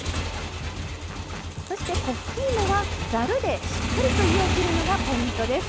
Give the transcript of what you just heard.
そして、粉ふきいもは、ざるでしっかりと湯を切るのがポイントです。